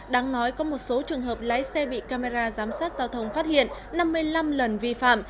đáng nói có một số trường hợp lái xe bị camera giám sát giao thông phát hiện năm mươi năm lần vi phạm